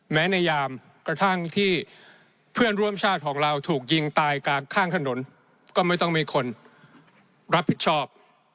ในยามกระทั่งที่เพื่อนร่วมชาติของเราถูกยิงตายกลางข้างถนนก็ไม่ต้องมีคนรับผิดชอบ